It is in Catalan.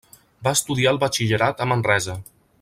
Va estudiar el batxillerat a Manresa.